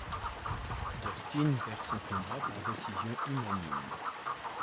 Dustin perd son combat par décision unanime.